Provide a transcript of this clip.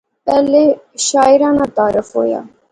پہلے شاعریں ناں تعارف ہویا